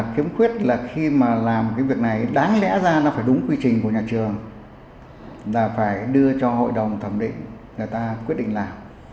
khiếm khuyết là khi mà làm cái việc này đáng lẽ ra nó phải đúng quy trình của nhà trường là phải đưa cho hội đồng thẩm định người ta quyết định làm